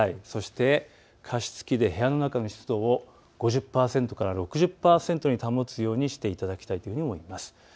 そして加湿器で部屋の中の湿度を５０％から６０％に保つようにしていただきたいというふうに思います。